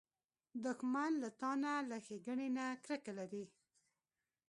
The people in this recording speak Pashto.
دښمن له تا نه، له ښېګڼې نه کرکه لري